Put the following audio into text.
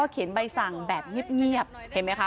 เขียนใบสั่งแบบเงียบเห็นไหมคะ